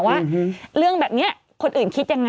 ว่าเรื่องแบบนี้คนอื่นคิดยังไง